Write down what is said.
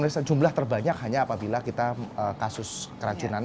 dan jumlah terbanyak hanya apabila kita kasus keracunan